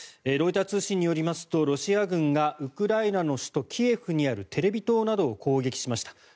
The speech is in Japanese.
ロイター通信によりますとロシア軍がウクライナの首都キエフにあるテレビ塔などを攻撃しました。